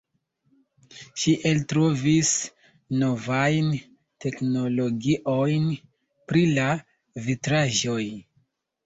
Ŝi eltrovis novajn teknologiojn pri la vitraĵoj.